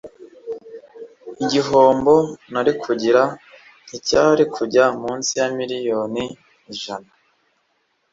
igihombo nari kugira nticyari kujya munsi ya Miliyoni ijana